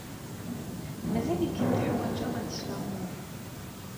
Mazal-ikem teḥwajeḍ ad tesleɣmuḍ.